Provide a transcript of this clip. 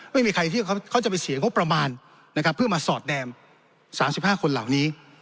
ไม่มีใครที่เขาจะไปเสียงบประมาณนะครับเพื่อมาสอดแนม๓๕คนเหล่านี้